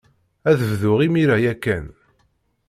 Ad bduɣ imir-a ya kan.